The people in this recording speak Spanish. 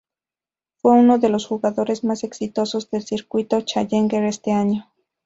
Fue uno de los jugadores más exitosos del circuito Challenger este año.